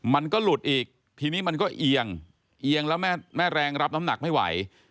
มันก็หลุดอีกทีนี้มันก็เอียงเอียงแล้วแม่แรงรับน้ำหนักไม่ไหว